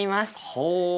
ほう。